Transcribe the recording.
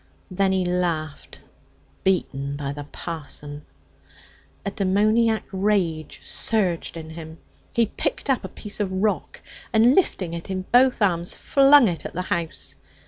Then he laughed. 'Beaten by the parson!' A demoniac rage surged in him. He picked up a piece of rock, and lifting it in both arms, flung it at the house.